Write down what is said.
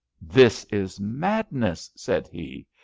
'This is madness,'^ said he.